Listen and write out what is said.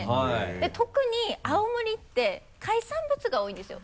で特に青森って海産物が多いんですよ。